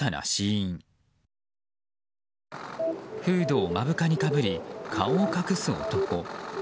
フードを目深にかぶり顔を隠す男。